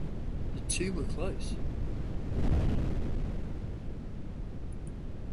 The two were close.